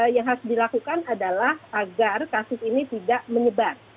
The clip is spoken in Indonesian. yang harus dilakukan adalah agar kasus ini tidak menyebar